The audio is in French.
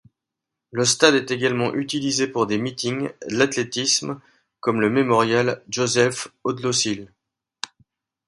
Le stade est également utilisé pour des meetings l'athlétisme, comme le Mémorial Josef-Odložil.